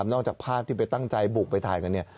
จากภาพที่ไปตั้งใจบุกไปถ่ายกันเนี่ย